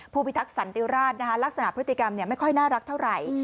พิทักษันติราชลักษณะพฤติกรรมไม่ค่อยน่ารักเท่าไหร่